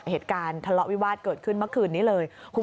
เหตุการณ์ทะเลาะวิวาสเกิดขึ้นเมื่อคืนนี้เลย